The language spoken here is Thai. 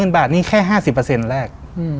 ๓๐๐๐๐บาทนี้แค่๕๐แรก